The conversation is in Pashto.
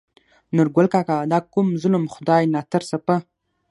نورګل کاکا : دا کوم ظلم خداى ناترسه په